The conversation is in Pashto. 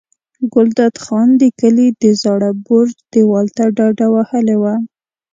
ګلداد خان د کلي د زاړه برج دېوال ته ډډه وهلې وه.